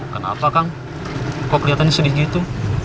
kenapa kang kok kelihatannya sedih gitu